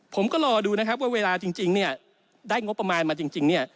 ผมก็รอดูนะครับว่าเวลาจริงเนี่ยได้งบประมาณมาจริงเนี่ย